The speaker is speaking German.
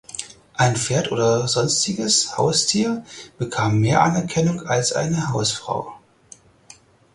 Ein Pferd oder sonstiges Haustier bekam mehr Anerkennung als eine Hausfrau.